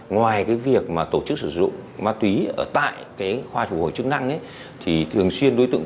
ngoài việc tổ chức sử dụng ma túy ở tại khoa phục hồi chức năng